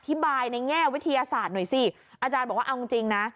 บายในแง่วิทยาศาสตร์หน่อยสิอาจารย์บอกว่าเอาจริงนะ